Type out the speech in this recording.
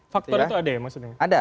faktor itu ada ya maksudnya